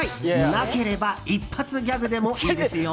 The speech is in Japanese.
なければ一発ギャグでもいいですよ！